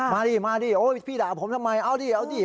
มาดี้มาดี้พี่ด่าผมทำไมเอาดี้เอาดี้